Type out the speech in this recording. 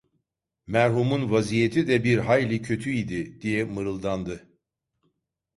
"Merhumun vaziyeti de bir hayli kötü idi…" diye mırıldandı.